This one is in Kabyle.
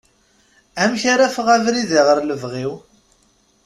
Amek ara aɣef abrid ɣer lebɣi-w?